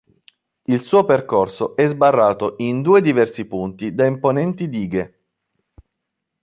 Il suo percorso è sbarrato in due diversi punti da imponenti dighe.